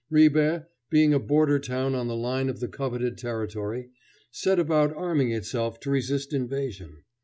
Ribe, being a border town on the line of the coveted territory, set about arming itself to resist invasion.